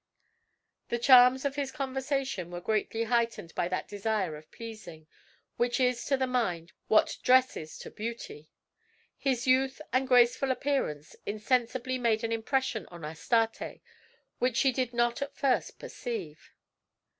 The charms of his conversation were greatly heightened by that desire of pleasing, which is to the mind what dress is to beauty. His youth and graceful appearance insensibly made an impression on Astarte, which she did not at first perceive.